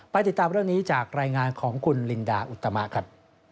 ติดตามเรื่องนี้จากรายงานของคุณลินดาอุตมะครับ